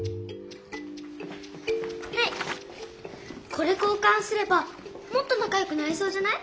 これ交かんすればもっとなかよくなれそうじゃない？